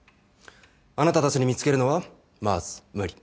あなたたちに見つけるのはまず無理。